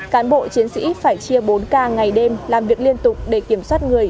cán bộ chiến sĩ phải chia bốn k ngày đêm làm việc liên tục để kiểm soát người